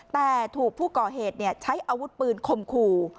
แต่ถูกผู้ก่อเหตุใช้อาวุธปืนคมขู่